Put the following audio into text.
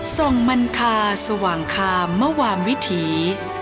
ส่งมันคาสว่างคามมวามวิถี